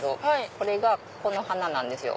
これがこの花なんですよ